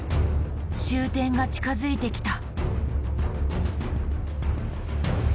終点が近づいてきた。